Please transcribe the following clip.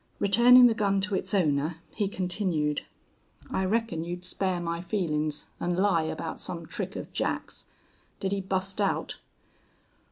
Returning the gun to its owner, he continued: "I reckon you'd spare my feelin's an' lie about some trick of Jack's. Did he bust out?"